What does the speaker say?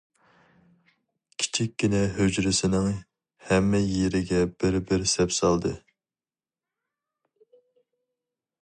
كىچىككىنە ھۇجرىسىنىڭ ھەممە يېرىگە بىر-بىر سەپسالدى.